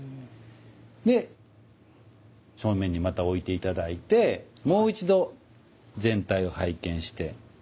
で正面にまた置いて頂いてもう一度全体を拝見して。